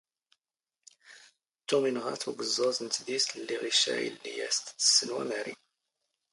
ⵜⵓⵎ ⵉⵏⵖⴰ ⵜ ⵓⴳⵥⵥⴰⵥ ⵏ ⵜⴷⵉⵙⵜ ⵍⵍⵉⵖ ⵉⵛⵛⴰ ⴰⵢⵍⵍⵉ ⴰⵙ ⴷ ⵜⵙⵙⵏⵡⴰ ⵎⴰⵔⵉ.